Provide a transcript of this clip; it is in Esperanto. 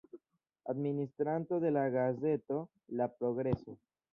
Administranto de la gazeto La Progreso.